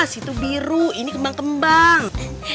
situ biru ini kembang kembang